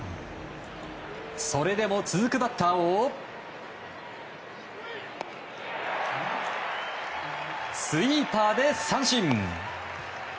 それでも続くバッターをスイーパーで三振。